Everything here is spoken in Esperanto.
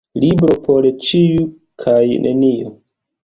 Libro por ĉiu kaj neniu.